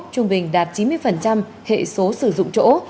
trung bình đạt chín mươi hệ số sử dụng chỗ